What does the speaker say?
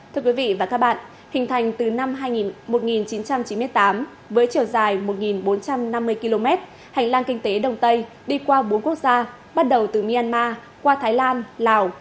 thưa quý vị và các bạn hình thành từ năm hai nghìn một trăm chín mươi tám với chiều dài một bốn trăm năm mươi km hành lang kinh tế đông tây đi qua bốn quốc gia bắt đầu từ myanmar qua thái lan lào